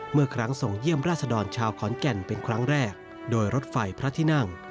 เมื่อครั้งส่งเยี่ยมราชดรชาวขอนแก่นเป็นครั้งแรกโดยรถไฟพระที่นั่ง